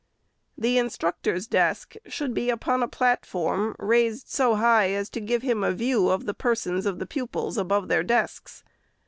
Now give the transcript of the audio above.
The instructor's desk should be upon a platform, raised so high as to give him a view of the persons of the pupils above their desks.